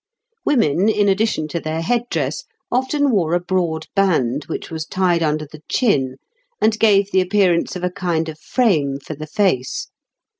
] Women, in addition to their head dress, often wore a broad band, which was tied under the chin, and gave the appearance of a kind of frame for the face.